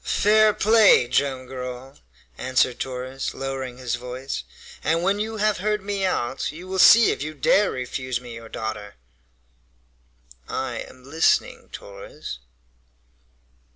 "Fair play, Joam Garral," answered Torres, lowering his voice, "and when you have heard me out, you will see if you dare refuse me your daughter!" "I am listening, Torres."